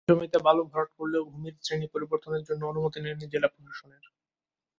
জমিতে বালু ভরাট করলেও ভূমির শ্রেণি পরিবর্তনের জন্য অনুমতি নেননি জেলা প্রশাসনের।